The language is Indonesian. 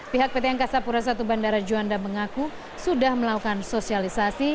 pihak pt angkasa pura i bandara juanda mengaku sudah melakukan sosialisasi